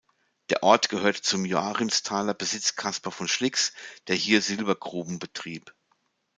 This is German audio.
Der Ort gehörte zum Joachimsthaler Besitz Kaspar von Schlicks, der hier Silbergruben betrieb.